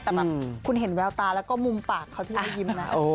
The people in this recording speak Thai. แต่แบบคุณเห็นแววตาแล้วก็มุมปากเขาที่ได้ยิ้มนะ